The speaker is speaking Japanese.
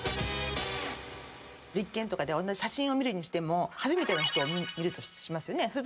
実験とかで写真を見るにしても初めての人を見るとしますよね。